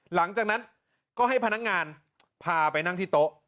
หลังจากนั้นก็ให้พนักงานพาไปนั่งที่โต๊ะ